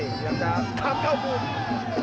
พยายามจะทำเข้าปุ่ม